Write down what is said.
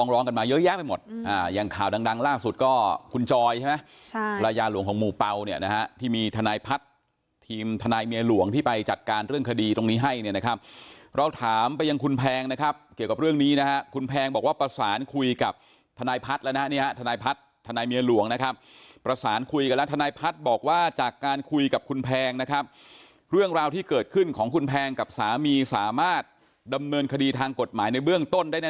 ร้องกันมาเยอะแยะไปหมดอ่ายังข่าวดังล่าสุดก็คุณจอยใช่ไหมใช่ละยาหลวงของหมู่เป่าเนี้ยนะฮะที่มีธนายพัฒน์ทีมธนายเมียหลวงที่ไปจัดการเรื่องคดีตรงนี้ให้เนี้ยนะครับเราถามไปยังคุณแพงนะครับเกี่ยวกับเรื่องนี้นะฮะคุณแพงบอกว่าประสานคุยกับธนายพัฒน์แล้วนะฮะเนี้ยฮะธนายพัฒน์ธน